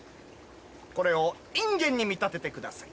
これをインゲンに見立ててください。